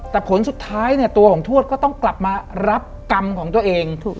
แต่ผลสุดท้ายเนี่ยตัวของทวดก็ต้องกลับมารับกรรมของตัวเอง